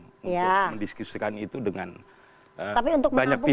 untuk mendiskusikan itu dengan banyak pihak yang dia ajak diskusi